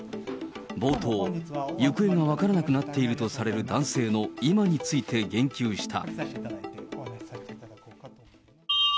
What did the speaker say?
冒頭、行方が分からなくなっているとされる男性の今について言及した。